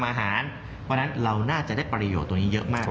เพราะฉะนั้นเราน่าจะได้ประโยชน์ตัวนี้เยอะมาก